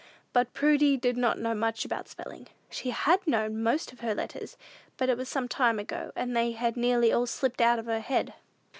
But Prudy did not know much about spelling. She had known most of her letters; but it was some time ago, and they had nearly all slipped out of her head.